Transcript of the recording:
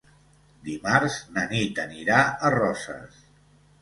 Dimarts na Nit anirà a Roses.